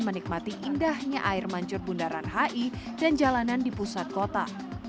menikmati indahnya air mancur bundaran hi dan jalanan di pusat kota